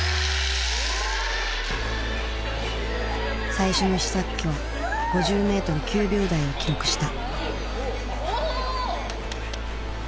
最初の試作機は５０メートル９秒台を記録した。